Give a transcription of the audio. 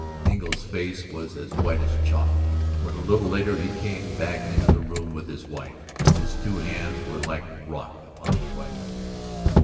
Engle's face was as white as chalk when a little later he came back into the room with his wife; his two hands were like rock upon his rifle.